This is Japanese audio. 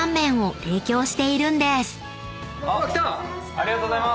ありがとうございます。